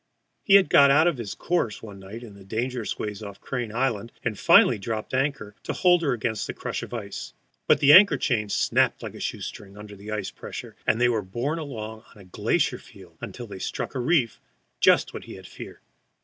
He had got out of his course one night in the dangerous ways off Crane Island, and finally dropped anchor to hold her against the crush of ice. But the anchor chain snapped like shoe string under the ice pressure, and they were borne along on a glacier field until they struck on a reef just what he had feared.